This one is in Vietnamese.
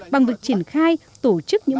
bằng việc triển khai tổ chức